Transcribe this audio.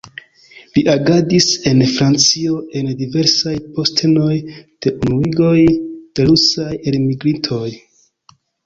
Li agadis en Francio en diversaj postenoj de Unuiĝoj de rusaj elmigrintoj.